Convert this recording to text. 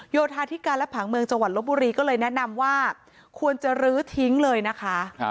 โยธาธิการและผังเมืองจังหวัดลบบุรีก็เลยแนะนำว่าควรจะลื้อทิ้งเลยนะคะ